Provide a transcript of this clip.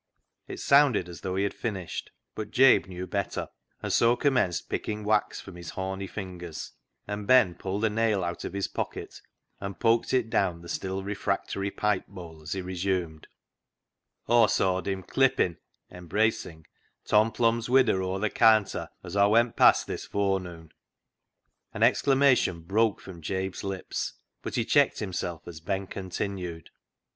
It sounded as though he had finished, but Jabe knew better, and so commenced picking wax from his horny fingers, and Ben pulled a nail out of his pocket and poked it down the still refractory pipe bowl as he resumed —" Aw seed him clippin' (embracing) Tom Plum's widder o'er th' caanter as Aw went past this forenoon." An exclamation broke from Jabe's lips, but he checked himself as Ben continued.